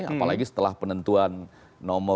apalagi setelah penentuan nomor